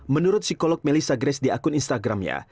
menurut psikolog melissa grace di akun instagramnya